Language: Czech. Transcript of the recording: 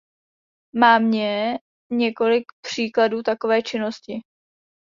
Mámě několik příkladů takové činnosti.